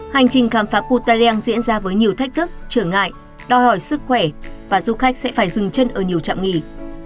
hành trình khám phá puterreng diễn ra với nhiều thách thức trở ngại đòi hỏi sức khỏe và du khách sẽ phải dừng chân ở nhiều trạm nghỉ